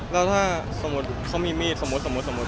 แล้วถ้าสมมติเขามีมีด